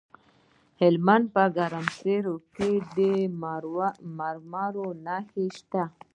د هلمند په ګرمسیر کې د مرمرو نښې شته.